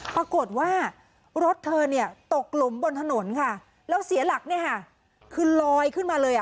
ปรากฏว่ารถเธอตกหลุมบนถนนค่ะแล้วเสียหลักคือลอยขึ้นมาเลย